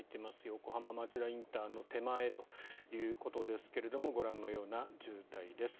横浜町田ＩＣの手前ということですがご覧のような渋滞です。